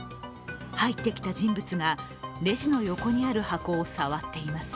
入ってきた人物が、レジの横にある箱を触っています。